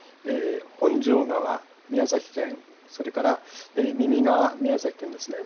本庄川、宮崎県、それから耳川、宮崎県ですね。